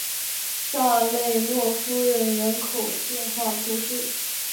萨勒诺夫人口变化图示